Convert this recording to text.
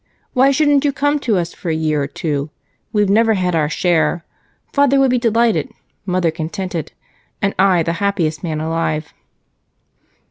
Why shouldn't you come to us for a year or two? We've never had our share. Father would be delighted, mother contented, and I the happiest man alive."